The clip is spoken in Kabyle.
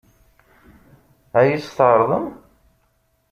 Ad iyi-tt-tɛeṛḍem?